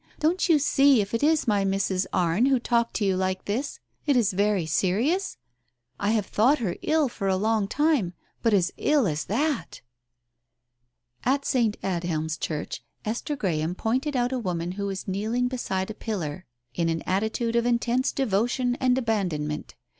Don't you see if it is my Mrs. Arne who talked to you like this, it is very serious ? I have thought her ill for a long time; but as ill as that !" At St. Adhelm's Church, Esther Graham pointed out a woman who was kneeling beside a pillar in an attitude of intense devotion and abandonment.